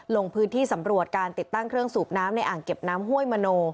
ลงพื้นที่สำรวจการติดตั้งเครื่องสูบน้ำในอ่างเก็บน้ำห้วยมโน